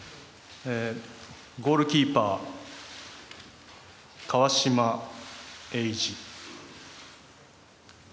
ゴールキーパー、川島永嗣。